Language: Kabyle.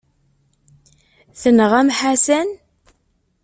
Tenɣam Ḥasan?